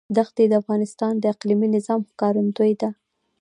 دښتې د افغانستان د اقلیمي نظام ښکارندوی ده.